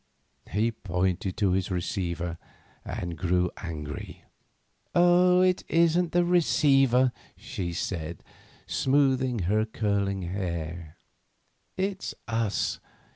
He pointed to his patent receiver, and grew angry. "Oh, it isn't the receiver," she said, smoothing her curling hair; "it's us.